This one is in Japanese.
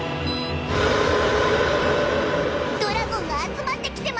ドラゴンが集まってきてます！